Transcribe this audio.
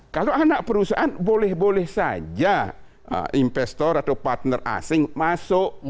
kalau anak perusahaan boleh boleh saja investor atau partner asing masuk